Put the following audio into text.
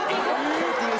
コーティング？